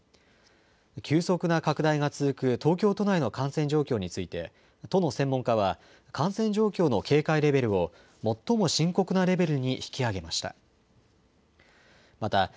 急速な拡大が続く東京都内の感染状況について、都の専門家は、感染状況の警戒レベルを、最も深刻なレベルに引き上げました。